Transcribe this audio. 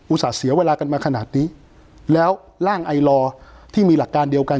ส่าห์เสียเวลากันมาขนาดนี้แล้วร่างไอลอที่มีหลักการเดียวกัน